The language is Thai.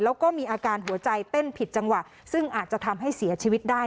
แล้วก็มีอาการหัวใจเต้นผิดจังหวะซึ่งอาจจะทำให้เสียชีวิตได้